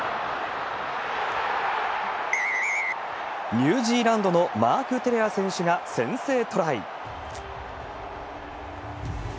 ニュージーランドのマーク・テレア選手が先制トライ。